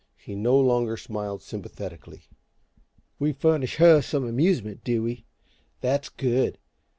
He no longer smiled sympathetically. "We furnish her with some amusement, do we? That's good!